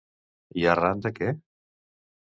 I arran de què?